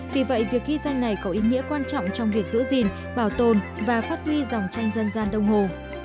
vì vậy việc ghi danh này có ý nghĩa quan trọng trong việc giữ gìn bảo tồn và phát huy dòng tranh dân gian đông hồ